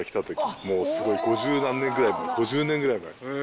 もうすごい五十何年ぐらい、５０年ぐらい前。